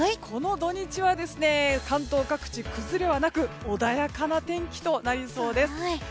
この土日は関東各地、崩れはなく穏やかな天気となりそうです。